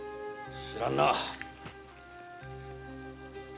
知らんな。